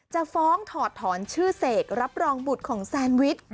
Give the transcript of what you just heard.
จะฟ้องถอดถอนชื่อเสกรับรองบุตรของแซนวิช